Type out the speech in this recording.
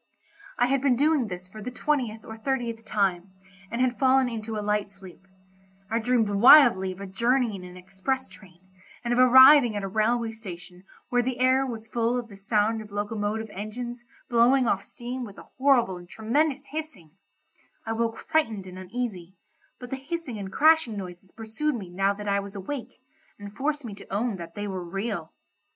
I had been doing this for the twentieth or thirtieth time, and had fallen into a light sleep: I dreamed wildly of a journey in an express train, and of arriving at a railway station where the air was full of the sound of locomotive engines blowing off steam with a horrible and tremendous hissing; I woke frightened and uneasy, but the hissing and crashing noises pursued me now that I was awake, and forced me to own that they were real.